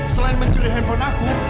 selain mencuri handphone aku